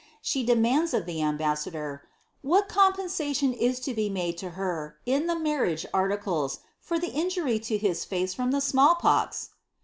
She demands of the Btnbassador, " what conipensatiaii is to be made to her, in the marriage articles, for the injury to his faee from the eiuall poK